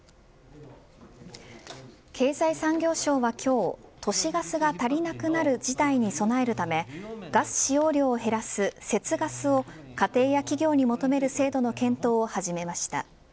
経済産業省は今日都市ガスが足りなくなる事態に備えるためガス使用量を減らす節ガスを家庭や企業に求める制度の検討を始めました。